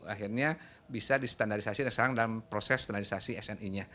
akhirnya bisa distandarisasi dan sekarang dalam proses standarisasi sni nya